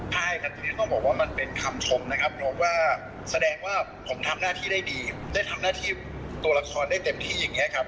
ใช่ค่ะจริงต้องบอกว่ามันเป็นคำชมนะครับ